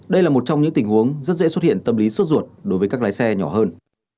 đây là một trong những tình huống rất dễ xuất hiện tâm lý suốt ruột đối với các lái xe nhỏ hơn